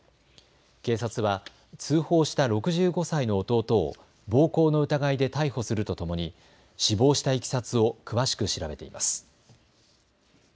警察は通報した６５歳の弟を暴行の疑いで逮捕するとともに死亡したいきさつを詳しく調べています。